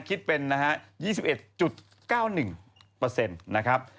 คิดเป็น๒๑๙๑นะครับ